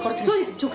そうです。